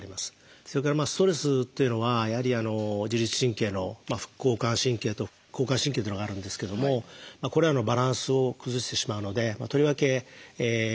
それからストレスっていうのはやはり自律神経の副交感神経と交感神経というのがあるんですけどもこれらのバランスを崩してしまうのでとりわけストレスは避ける必要があります。